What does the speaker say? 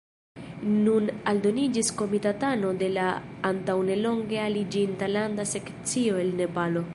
Nun aldoniĝis komitatano de la antaŭnelonge aliĝinta Landa Sekcio el Nepalo.